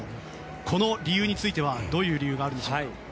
この理由についてはどういう理由がありますか？